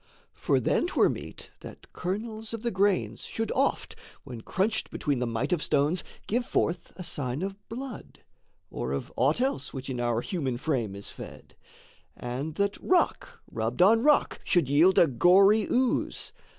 For then 'twere meet that kernels of the grains Should oft, when crunched between the might of stones, Give forth a sign of blood, or of aught else Which in our human frame is fed; and that Rock rubbed on rock should yield a gory ooze.